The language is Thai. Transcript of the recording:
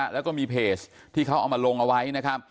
แล้วก็มีเพจที่เขาเอามาลงเอาไว้นะครับ